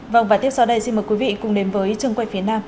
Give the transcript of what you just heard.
vâng và tiếp sau đây xin mời quý vị cùng đến với trường quay phía nam